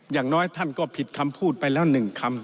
อย่างน้อยท่านก็ผิดคำพูดไปแล้ว๑คำ